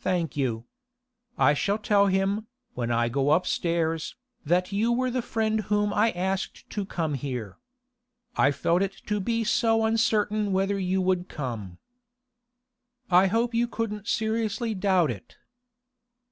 'Thank you. I shall tell him, when I go upstairs, that you were the friend whom I had asked to come here. I felt it to be so uncertain whether you would come.' 'I hope you couldn't seriously doubt it.